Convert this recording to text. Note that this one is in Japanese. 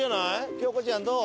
京子ちゃんどう？